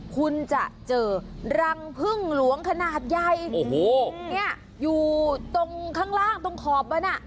คุณจะเจอรังพึ่งหลวงขนาดใหญ่โอ้โหเนี่ยอยู่ตรงข้างล่างตรงขอบมันอ่ะ